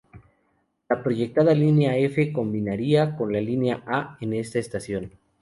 La proyectada línea F combinaría con la línea A en esta estación.